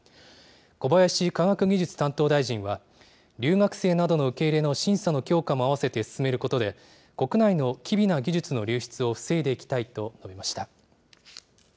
小林科学技術担当大臣は、留学生などの受け入れの審査の強化も合わせて進めることで、国内の機微な技術の流出を防いでいきたいと述べました。